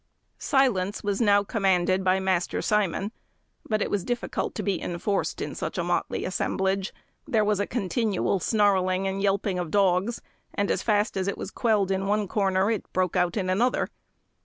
Silence was now commanded by Master Simon; but it was difficult to be enforced in such a motley assemblage. There was a continued snarling and yelping of dogs, and, as fast as it was quelled in one corner, it broke out in another.